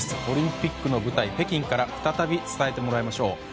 オリンピックの舞台、北京から再び伝えてもらいましょう。